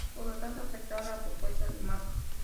Por lo tanto, acepta la propuesta de Mac.